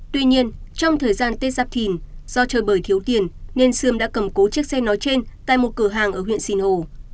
tuy nhiên trong thời gian tết giáp thìn do chơi bởi thiếu tiền nên sươm đã cầm cố chiếc xe nói trên tại một cửa hàng ở huyện sinh hồ